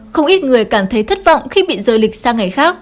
không ít người cảm thấy thất vọng khi bị rời lịch sang ngày khác